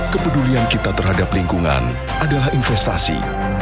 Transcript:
kepedulian kita terhadap lingkungan adalah investasi